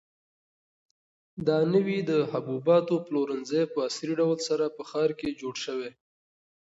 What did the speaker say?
دا نوی د حبوباتو پلورنځی په عصري ډول سره په ښار کې جوړ شوی.